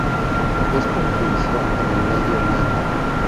Es perjudicial en el medio ambiente.